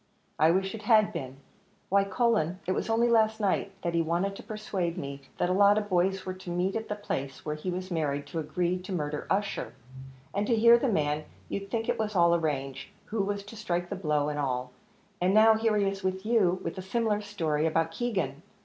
"I wish it had been. Why, Cullen, it was only last night that he wanted to persuade me that a lot of boys were to meet at the place where he was married, to agree to murder Ussher; and to hear the man, you'd think it was all arranged, who was to strike the blow and all; and now here he is with you, with a similar story about Keegan!